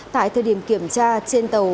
tại thời điểm kiểm tra trên tàu